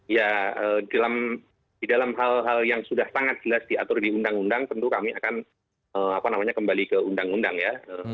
ya di dalam hal hal yang sudah sangat jelas diatur di undang undang tentu kami akan kembali ke undang undang ya